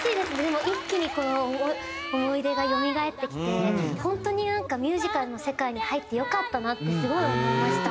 もう一気にこう思い出がよみがえってきて本当になんかミュージカルの世界に入ってよかったなってすごい思いました。